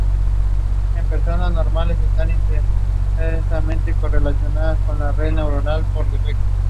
Es un abanderado del running como forma de conectar con la naturaleza.